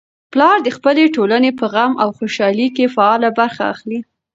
پلار د خپلې ټولنې په غم او خوشالۍ کي فعاله برخه اخلي.